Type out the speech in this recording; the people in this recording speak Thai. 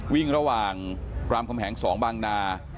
วิ่งระหว่างรามคำแหง๒บางนา